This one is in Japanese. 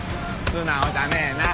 素直じゃねえな！